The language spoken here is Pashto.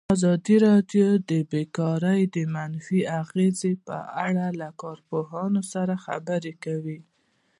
ازادي راډیو د بیکاري د منفي اغېزو په اړه له کارپوهانو سره خبرې کړي.